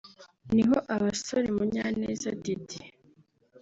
niho abasore Munyaneza Didier